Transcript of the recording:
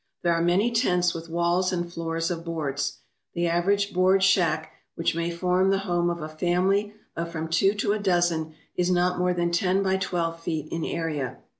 There are many tents with walls and floors of boards. The average board shack, which may form the home of a family of from two to a dozen, is not more than ten by twelve feet in area.